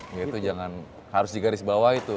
ya itu jangan harus di garis bawah itu